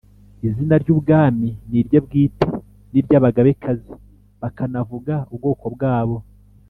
izina ry'ubwamin'irye bwite) n' ay'abagabekazi bakanavuga ubwoko bw'abo